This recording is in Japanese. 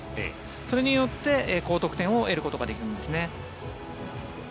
それによって高得点を得ることができるんですね。